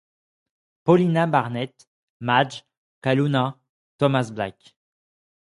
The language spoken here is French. Paulina Barnett, Madge, Kalumah, Thomas Black !